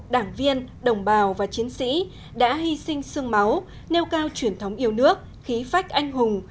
đảng viên đồng bào và chiến sĩ đã hy sinh sương máu nêu cao truyền thống yêu nước khí phách anh hùng